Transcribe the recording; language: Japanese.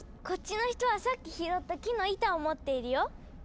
こっちの人はさっき拾った木の板を持っているよ！